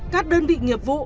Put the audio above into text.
các đơn vị nghiệp vụ